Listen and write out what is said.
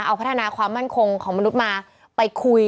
เอาพัฒนาความมั่นคงของมนุษย์มาไปคุย